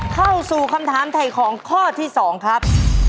เข้าสู่คำถามถ่ายของข้อที่๒ครับ